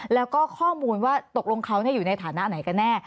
แล้วก็ข้อมูลว่าตกลงเขาอยู่ในฐานะไหนกันแน่